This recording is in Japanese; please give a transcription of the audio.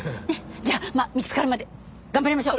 じゃあまあ見つかるまで頑張りましょう。